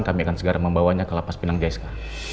kami akan segera membawanya ke lapas pinang jeska